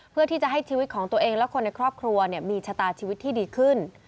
เพื่อที่จะให้ชีวิตของตัวเองและคนในครอบครัวมีชะตาชีวิตที่ดีขึ้น